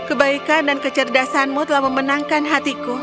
pangeran floriza kebaikan dan kecerdasanmu telah memenangkan hatiku